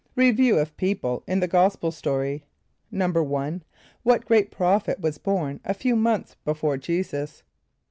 Review of People in the Gospel Story. =1.= What great prophet was born a few months before J[=e]´[s+]us?